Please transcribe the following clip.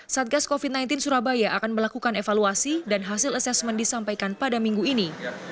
satgas covid sembilan belas surabaya akan melakukan evaluasi dan hasil asesmen disampaikan pada minggu ini